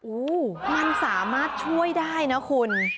มันสามารถช่วยได้นะคุณ